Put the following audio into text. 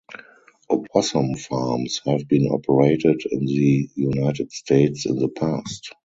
Opossum farms have been operated in the United States in the past.